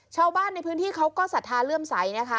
ชาวบ้านในพื้นที่เขาก็ศรัทธาเลื่อมใสนะคะ